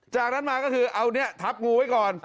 จากนั้นมาก็คือเอาเนี่ยทับงูไว้ก่อน